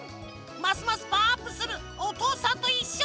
ますますパワーアップする「おとうさんといっしょ」